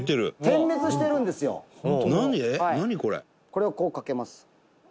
「これをこう掛けます」